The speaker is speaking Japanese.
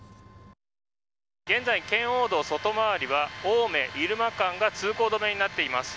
現在、圏央道外回りは青梅入間間が通行止めになっています。